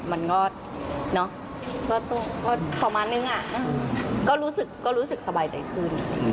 มันก็ความมาร์ชหนึ่งก็รู้สึกสบายใจขึ้น